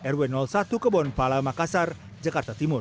rw satu kebonpala makassar jakarta timur